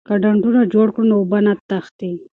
که ډنډونه جوړ کړو نو اوبه نه تښتي.